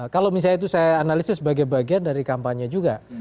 kalau misalnya itu saya analisis sebagai bagian dari kampanye juga